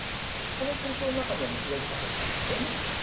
この水そうの中には水がいっぱい入ってる訳だよね。